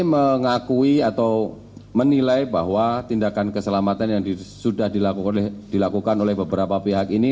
mengakui atau menilai bahwa tindakan keselamatan yang sudah dilakukan oleh beberapa pihak ini